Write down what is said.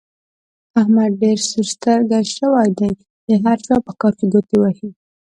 احمد ډېر سور سترګی شوی دی؛ د هر چا په کار کې ګوتې وهي.